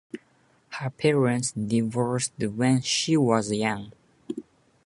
Her parents divorced when she was young.